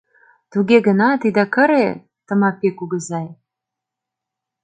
— Туге гынат ида кыре Тымапи кугызай.